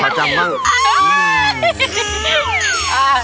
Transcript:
เอาอย่างงี้ล่ะกัน